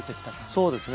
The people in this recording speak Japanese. そうですね。